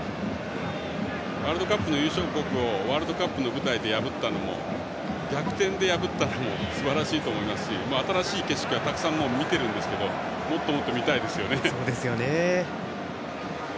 ワールドカップの優勝国をワールドカップの舞台で破ったのも、逆転で破ったのもすばらしいと思いますし新しい景色はもうたくさん見ているんですけどもっともっと見たいですよね。